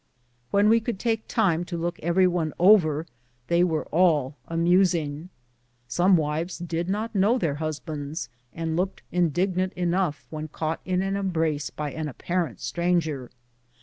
When we could take time to look every one over, they were all amusing enough. Some wives did not know their husbands, and looked indignant enough when caught in an embrace by an apparent stranger.